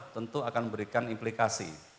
tentu akan memberikan implikasi